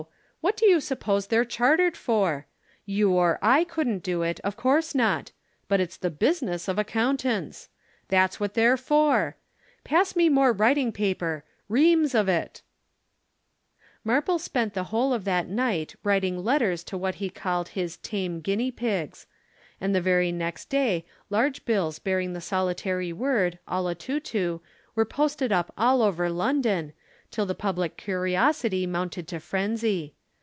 what do you suppose they're chartered for? You or I couldn't do it; of course not. But it's the business of accountants! That's what they're for. Pass me more writing paper reams of it!" [Illustration: The public curiosity amounted to frenzy.] "'Marple spent the whole of that night writing letters to what he called his tame guinea pigs; and the very next day large bills bearing the solitary word "Olotutu" were posted up all over London till the public curiosity mounted to frenzy.